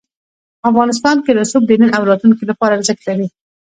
افغانستان کې رسوب د نن او راتلونکي لپاره ارزښت لري.